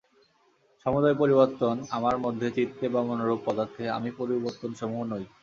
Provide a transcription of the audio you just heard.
সমুদয় পরিবর্তন আমার মধ্যে চিত্তে বা মনরূপ পদার্থে, আমি পরিবর্তনসমূহ নই।